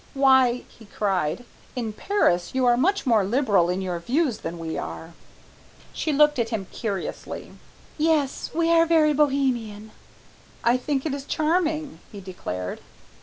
"Why," he cried, "in Paris you are much more liberal in your views than we are." She looked at him curiously. "Yes, we are very Bohemian." "I think it is charming," he declared.